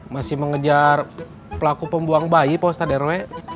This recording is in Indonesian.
masih mengejar pelaku pembuang bayi pak ustadz rw